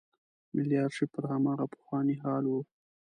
ملي آرشیف پر هماغه پخواني حال و.